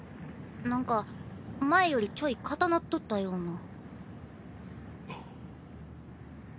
なんか前よりちょい硬なっとったような。